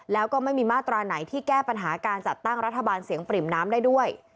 แล้วก็ไม่มีมาตราไหนที่แก้ปัญหาการจัดตั้งรัฐบาลเสียงปริ่มน้ำได้ด้วย